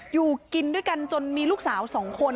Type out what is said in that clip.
อยู่กินด้วยกันจนมีลูกสาว๒คน